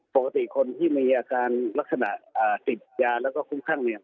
ปกติคนที่มีอาการลักษณะติดยาแล้วก็คุ้มข้างเนี่ย